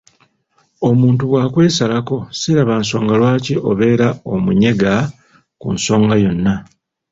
Omuntu bw’akwesalako siraba nsonga lwaki obeera omunyega ku nsonga yonna.